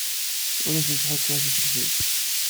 Ur asen-ttḥukkuɣ tifelfelt.